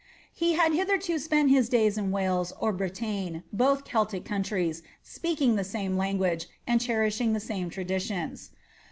He had hitherto spent his dayb in Walea or Brelagne, both Celtic countries, speaking the same language, and ehrrishiiw the same traditions.